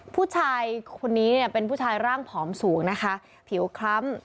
ผู้ชายคนนี้เนี่ยเป็นผู้ชายร่างผอมสูงนะคะผิวคล้ำ